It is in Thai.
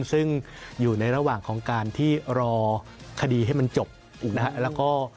ซึ่งอยู่ในระหว่างของการที่รอคดีให้มันจบอีกนะครับ